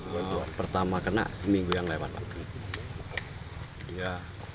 ya pertama kena minggu yang nature